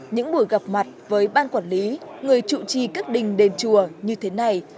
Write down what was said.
những buổi gặp mặt với ban quản lý người trụ trì các đình đền chùa như thế này